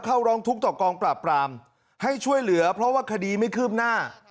ร้องทุกข์ต่อกองปราบปรามให้ช่วยเหลือเพราะว่าคดีไม่คืบหน้า